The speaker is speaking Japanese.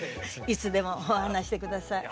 いつでもお話しして下さい。